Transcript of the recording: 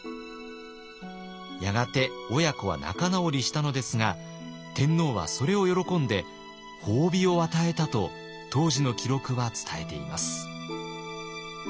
やがて親子は仲直りしたのですが天皇はそれを喜んで褒美を与えたと当時の記録は伝えています。